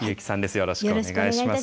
よろしくお願いします。